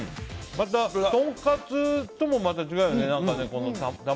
とんかつともまた違うよね。